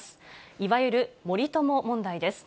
いわゆる森友問題です。